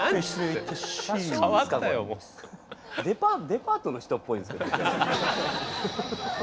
デパートの人っぽいんですけど。